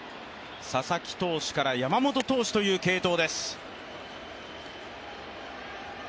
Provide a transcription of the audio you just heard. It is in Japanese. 佐々木投手から山本投手という継投です。